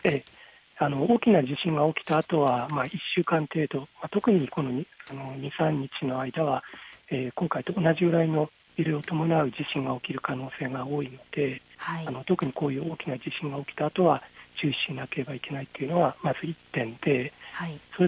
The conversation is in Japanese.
大きな地震が起きたあとは１週間程度、特にこの２、３日の間は今回と同じぐらいの揺れを伴う地震が起きる可能性が多いので特にこういう大きな地震が起きたあとは注意しなければいけないというのはまず１点です。